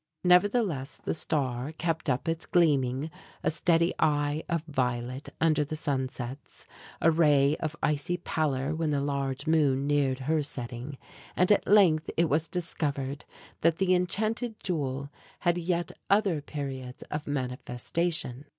Nevertheless the star kept up its gleaming, a steady eye of violet under the sunsets, a ray of icy pallor when the large moon neared her setting; and at length it was discovered that the enchanted jewel had yet other periods of manifestation.